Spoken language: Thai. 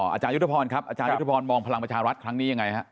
อาจารยุทธพรครับอาจารยุทธพรมองพลังประชารัฐครั้งนี้ยังไงฮะ